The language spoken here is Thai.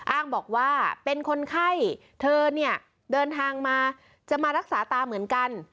อ้างบอกว่าเป็นคนไข้เธอเนี่ยเดินทางมาจะมารักษาตาเหมือนกัน